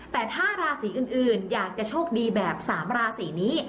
แต่ถ้าราศีอื่นอยากจะโชคดีแบบ๓ราศีนี้